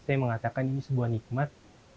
saya mengatakan ini sebuah nikmat